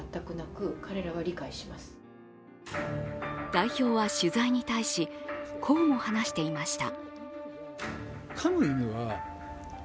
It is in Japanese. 代表は取材に対し、こうも話していました。